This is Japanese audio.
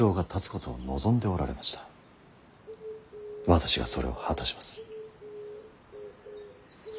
私がそれを果たします。